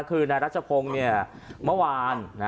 คือในรัชพงศ์เนี่ยเมื่อวาน